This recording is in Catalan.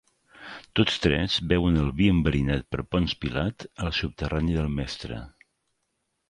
Tots tres beuen el vi enverinat per Ponç Pilat al subterrani del Mestre.